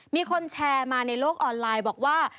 มีคนแชร์มาในโลกออนไลน์บอกว่า